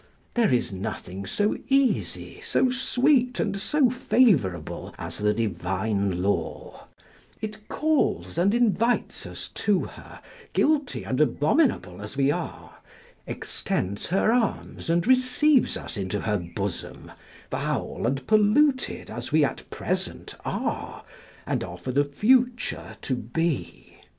There is nothing so easy, so sweet, and so favourable, as the divine law: it calls and invites us to her, guilty and abominable as we are; extends her arms and receives us into her bosom, foul and polluted as we at present are, and are for the future to be.